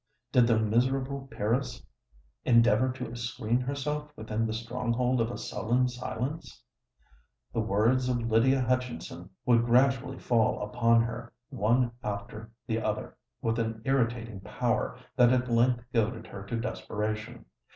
Did the miserable peeress endeavour to screen herself within the stronghold of a sullen silence, the words of Lydia Hutchinson would gradually fall upon her, one after the other, with an irritating power that at length goaded her to desperation.